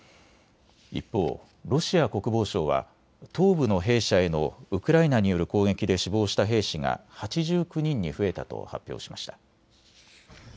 一方、ロシア国防省は東部の兵舎へのウクライナによる攻撃で死亡した兵士が８９人に増えたと発表しました。